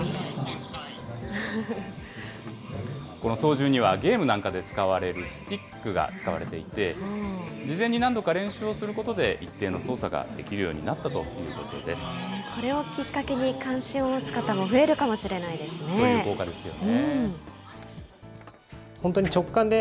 この操縦には、ゲームなんかで使われるスティックが使われていて、事前に何度が練習することで、一定の操作ができるようになったとこれをきっかけに、関心を持つ方も増えるかもしれないですね。